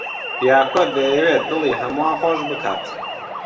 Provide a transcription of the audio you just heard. دیاکۆ دەیەوێت دڵی هەمووان خۆش بکات.